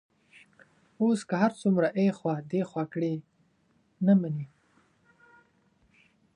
اوس که هر څومره ایخوا دیخوا کړي، نه مني.